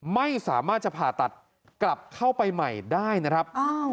ไม่สามารถจะผ่าตัดกลับเข้าไปใหม่ได้นะครับ